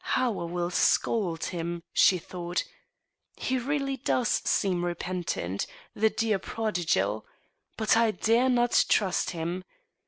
" How I will scold him !" she thought. " He really does seem repentant, the dear prodigal! But I dare not trust him.